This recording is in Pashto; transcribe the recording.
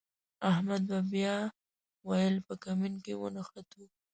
احسان به بیا ویل په کمین کې ونښتو.